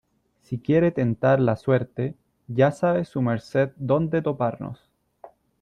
si quiere tentar la suerte , ya sabe su merced dónde toparnos .